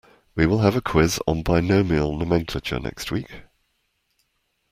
We will have a quiz on binomial nomenclature next week.